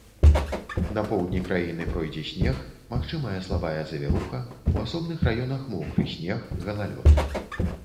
На поўдні краіны пройдзе снег, магчымая слабая завіруха, у асобных раёнах мокры снег, галалёд.